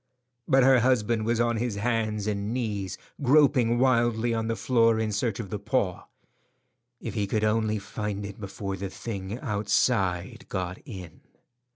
But her husband was on his hands and knees groping wildly on the floor in search of the paw. If he could only find it before the thing outside got in.